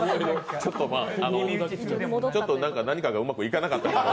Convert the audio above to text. ちょっとまあ何かがうまくいかなかったのかな。